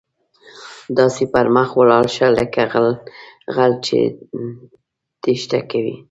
داسې پر مخ ولاړ شه، لکه غل چې ټیښته کوي.